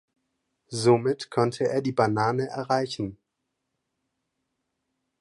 Somit konnte er die Banane erreichen.